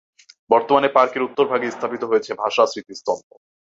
বর্তমানে পার্কের উত্তর ভাগে স্থাপিত হয়েছে ভাষা স্মৃতিস্তম্ভ।